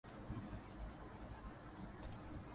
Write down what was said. จะได้ไม่ต้องโหลด